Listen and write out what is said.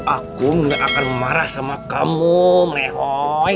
aku gak akan marah sama kamu melehoy